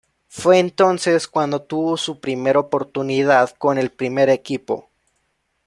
Fue entonces cuando tuvo su primera oportunidad con el primer equipo.